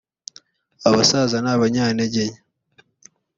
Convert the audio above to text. abasaza n’ abanyantegenke